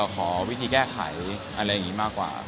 ขอวิธีแก้ไขอะไรอย่างนี้มากกว่า